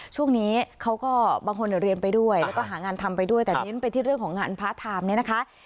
ช่วงนี้เขาก็บางคนเรียนไปด้วยแล้วก็หางานทำไปด้วยแต่เน้นไปที่เรื่องของงานพาร์ทไทม์เนี่ยนะคะ